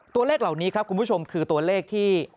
ตัวเลขเหล่านี้ครับคุณผู้ชมคือตัวเลขที่